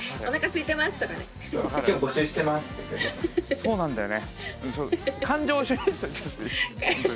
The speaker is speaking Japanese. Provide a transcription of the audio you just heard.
そうなんだよね。